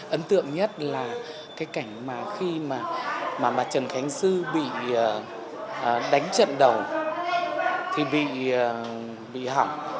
ấn tượng nhất là cái cảnh mà khi mà bà trần khánh dư bị đánh trận đầu thì bị hỏng